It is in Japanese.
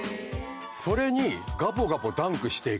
それにガボガボダンクしていく